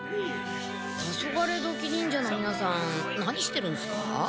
タソガレドキ忍者のみなさん何してるんですか？